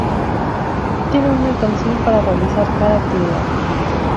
Tienen una canción para realizar cada actividad.